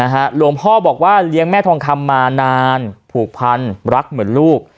หลวงพ่อบอกว่าเลี้ยงแม่ทองคำมานานผูกพันรักเหมือนลูก